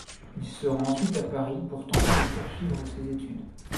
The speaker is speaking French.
Il se rend ensuite à Paris pour tenter de poursuivre ses études.